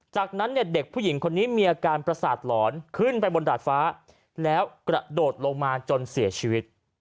จากนั้นเนี่ยเด็กผู้หญิงคนนี้มีอาการประสาทหลอนขึ้นไปบนดาดฟ้าแล้วกระโดดลงมาจนเสียชีวิต